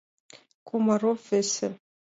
Комаров весе...